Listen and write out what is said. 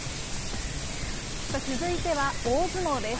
続いては大相撲です。